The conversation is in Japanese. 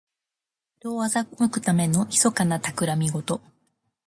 人を欺くためのひそかなたくらみごと。